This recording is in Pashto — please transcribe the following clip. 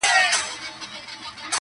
بېخبره مي هېر کړي نعمتونه.!